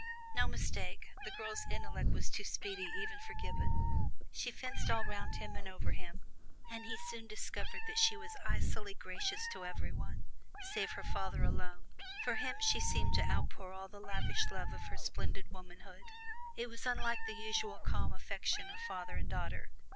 No mistake, the girl's intellect was too speedy even for Gibbon. She fenced all 'round him and over him, and he soon discovered that she was icily gracious to every one, save her father alone. For him she seemed to outpour all the lavish love of her splendid womanhood. It was unlike the usual calm affection of father and daughter.